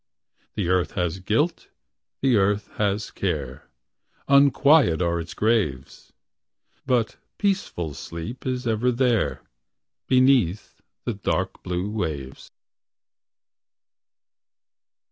The earth has guilt, the earth has care, Unquiet are its graves; But peaceful sleep is ever there, Beneath the dark blue waves.